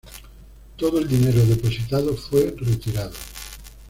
Todo el dinero depositado fue retirado.